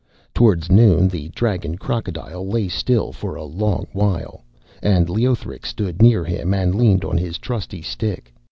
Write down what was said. Towards noon the dragon crocodile lay still for a long while, and Leothric stood near him and leaned on his trusty stick.